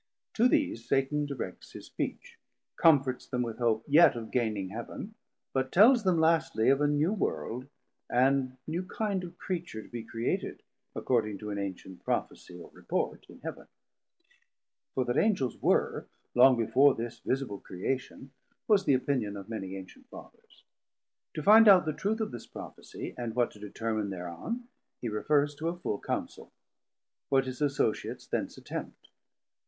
To these Satan directs his Speech, comforts them with hope yet of gaining Heaven, but tells them lastly of a new World and new kind of Creature to be created, according to an ancient Prophesie or report in Heaven; for that Angels were long before this visible Creation, was the opinion of many ancient Fathers. To find out the truth of this Prophesie, and what to determin thereon he refers to a full councell. What his Associates thence attempt.